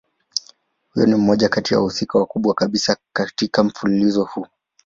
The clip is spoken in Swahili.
Huyu ni mmoja kati ya wahusika wakubwa kabisa katika mfululizo huu.